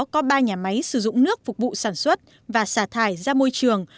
có ba nhà máy sử dụng nước phục vụ sản xuất và xả thải ra môi trường